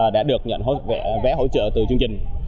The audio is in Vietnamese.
đã được nhận vé hỗ trợ từ chương trình